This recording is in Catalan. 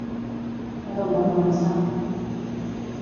Per on va començar?